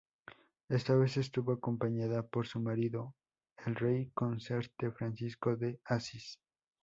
Esta vez estuvo acompañada por su marido, el rey consorte Francisco de Asís.